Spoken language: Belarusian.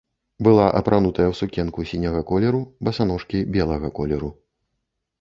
Была апранутая ў сукенку сіняга колеру, басаножкі белага колеру.